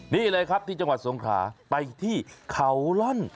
นี่เลยครับที่จังหวัดสงขลาไปที่เขาล่อน